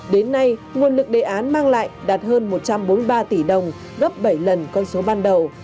đến nay nguồn lực đề án mang lại đạt hơn một trăm bốn mươi ba tỷ đồng gấp bảy lần con số ban đầu